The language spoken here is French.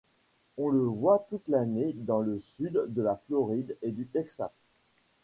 On le voit toute l'année dans le sud de la Floride et du Texas.